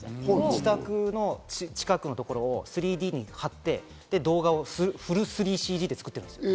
自宅の近くのところを３Ｄに張って、動画をフル３ＤＣＧで作ってます。